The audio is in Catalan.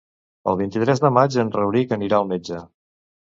El vint-i-tres de maig en Rauric anirà al metge.